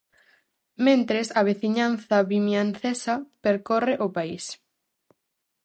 Mentres, a veciñanza vimiancesa percorre o país.